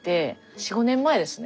４５年前ですね。